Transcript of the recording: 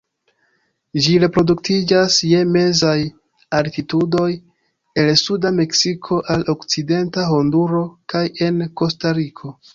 Ĝi reproduktiĝas je mezaj altitudoj el suda Meksiko al okcidenta Honduro kaj en Kostariko.